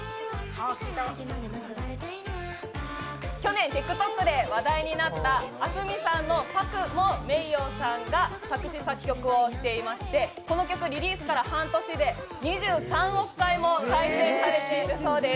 去年ＴｉｋＴｏｋで話題になったａｓｕｍｉさんの「ＰＡＫＵ」もｍｅｉｙｏさんが作詞・作曲をしていまして、この曲リリースから半年で２３億回も再生されているそうです。